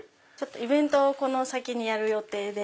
イベントをこの先にやる予定で。